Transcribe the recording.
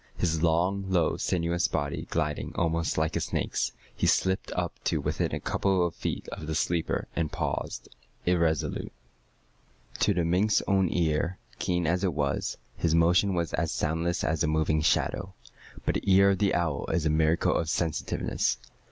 His long, low, sinuous body gliding almost like a snake's, he slipped up to within a couple of feet of the sleeper, and paused irresolute. To the mink's own ear, keen as it was, his motion was as soundless as a moving shadow. But the ear of the owl is a miracle of sensitiveness.